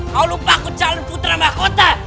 kau lupa aku calon putra mahkota